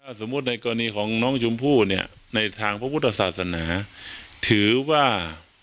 สมมุติในกรณีของน้องชมพู่เนี่ยในทางพระพุทธศาสนาถือว่า